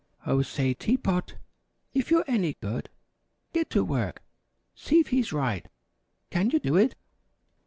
"] "Oh, say, Tea Pot, if you're any good, get to work! See if he's right. Can you do it?"